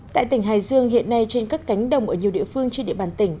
tại tỉnh hải dương hiện nay trên các cánh đồng ở nhiều địa phương trên địa bàn tỉnh